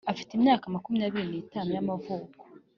afite imyaka makumyabiri n itanu y amavuko